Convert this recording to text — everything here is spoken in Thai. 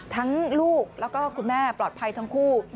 ลูกแล้วก็คุณแม่ปลอดภัยทั้งคู่